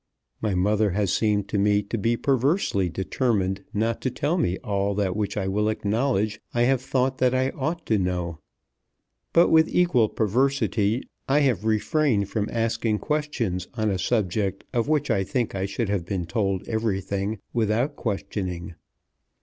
My mother has seemed to me to be perversely determined not to tell me all that which I will acknowledge I have thought that I ought to know. But with equal perversity I have refrained from asking questions on a subject of which I think I should have been told everything without questioning.